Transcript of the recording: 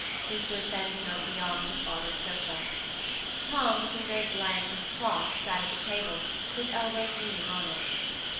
He stood bending over the arm of his father's sofa. Tom, looking very blank and cross, sat at the table, his elbows leaning on it.